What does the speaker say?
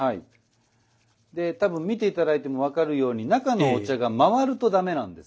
で多分見て頂いても分かるように中のお茶が回ると駄目なんです。